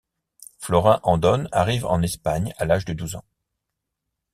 Florin Andone arrive en Espagne à l'âge de douze ans.